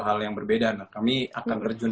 hal yang berbeda nah kami akan terjun